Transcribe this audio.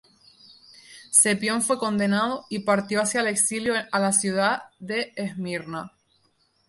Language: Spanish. Cepión fue condenado y partió hacia el exilio a la ciudad de Esmirna.